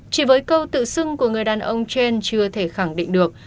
chỉ với câu tự xưng của người đàn ông trên chưa thể khẳng định được